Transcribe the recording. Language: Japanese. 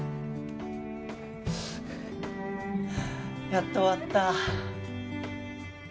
やっと終わった。